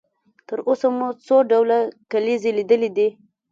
تر اوسه مو څو ډوله کلیزې لیدلې دي؟